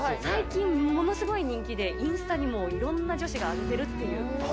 最近、ものすごい人気で、インスタにもいろんな女子が上げてるっていう。